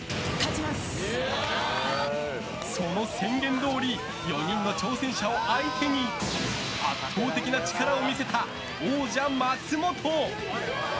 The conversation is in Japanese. その宣言どおり４人の挑戦者を相手に圧倒的な力を見せた王者・松本。